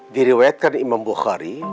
diriwayatkan imam bukhari